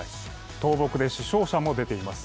倒木で死傷者も出ています。